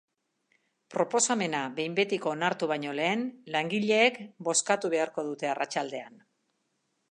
Proposamena behin betiko onartu baino lehen, langileek bozkatu beharko dute arratsaldean.